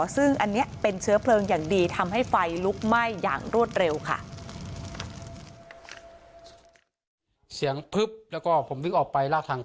ซึ่งอันนี้เป็นเชื้อเพลิงอย่างดีทำให้ไฟลุกไหม้อย่างรวดเร็วค่ะ